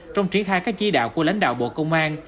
trong triển khai các chỉ đạo của lãnh đạo bộ công an